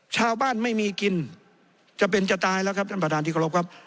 ชาวบ้านไม่มีกินจะเป็นจะตายแล้วครับท่านประธานที่เคารพครับ